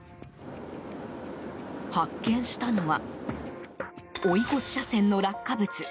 発見したのは追い越し車線の落下物。